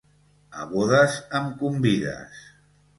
A bodes em convides!